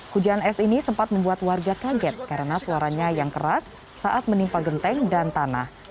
hujan es ini sempat membuat warga kaget karena suaranya yang keras saat menimpa genteng dan tanah